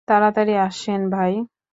তাড়াতাড়ি আসেন ভাই।